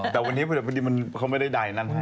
อ๋อแต่วันนี้มันไม่ได้ดายอย่างนั้น